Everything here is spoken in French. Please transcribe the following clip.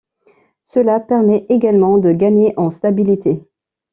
Cela permet également de gagner en stabilité.